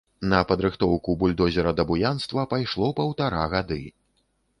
На падрыхтоўку бульдозера да буянства пайшло паўтара гады.